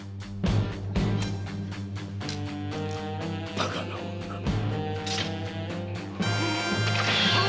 バカな女め！